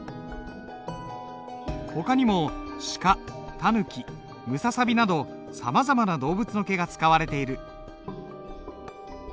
ほかにもシカタヌキムササビなどさまざまな動物の毛が使われている。